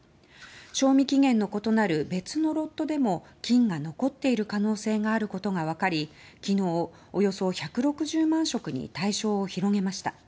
賞味期限の異なる別のロットでも菌が残っている可能性があることが分かり昨日、およそ１６０万食に対象を広げました。